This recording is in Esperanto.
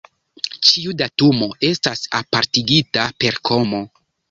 Ĉiu datumo estas apartigita per komo.